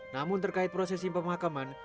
namun terkait prosesi pemakaman